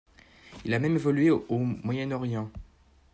Il a même évolué au Moyen-Orient.